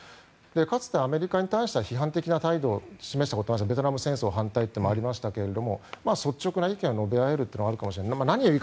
かつてアメリカに対しては批判的な態度を示したこともありベトナム戦争反対もありましたが率直な意見を述べ合えるのはあるかもしれません。